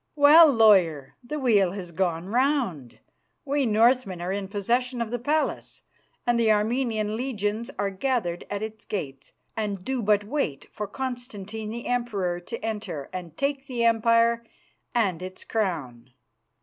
Well, lawyer, the wheel has gone round. We Northmen are in possession of the palace and the Armenian legions are gathered at its gates and do but wait for Constantine the Emperor to enter and take the empire and its crown.